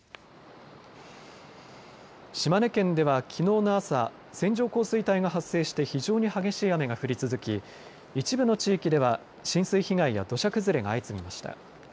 島根県ではきのうの朝線状降水帯が発生して非常に激しい雨が降り続き一部の地域では浸水被害や土砂崩れが相次ぎました。